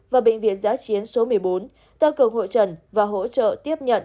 và bệnh viện giã chiến số một mươi bốn tăng cường hội trần và hỗ trợ tiếp nhận